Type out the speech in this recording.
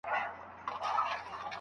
په ګڼ ډګر کي مړ سړی او ږیره نه ښکاري.